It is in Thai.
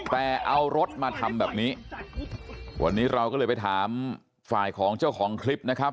แต่เอารถมาทำแบบนี้วันนี้เราก็เลยไปถามฝ่ายของเจ้าของคลิปนะครับ